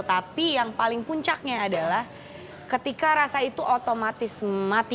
tapi yang paling puncaknya adalah ketika rasa itu otomatis mati